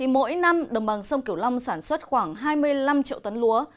mỗi năm đồng bằng sông kiểu long sản xuất khoảng hai mươi năm triệu tấn lúa